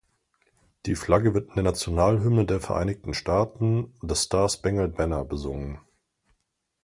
Die Flagge wird in der Nationalhymne der Vereinigten Staaten "The Star-Spangled Banner" besungen.